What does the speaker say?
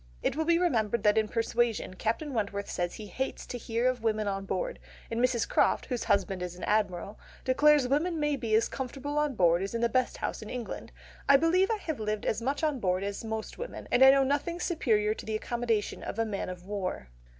It will be remembered that in Persuasion Captain Wentworth says he hates "to hear of women on board," and Mrs. Croft, whose husband is an Admiral, declares "women may be as comfortable on board as in the best house in England. I believe I have lived as much on board as most women and I know nothing superior to the accommodation of a man of war."